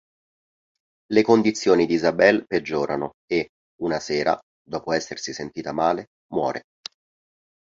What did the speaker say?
Le condizioni di Isabel peggiorano e, una sera, dopo essersi sentita male, muore.